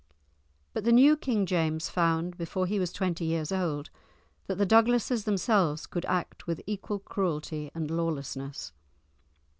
But the new King James found, before he was twenty years old, that the Douglases themselves could act with equal cruelty and lawlessness.